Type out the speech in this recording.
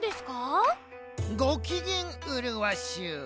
ごきげんうるわしゅう。